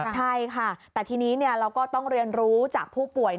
ใช่ค่ะแต่ทีนี้เราก็ต้องเรียนรู้จากผู้ป่วย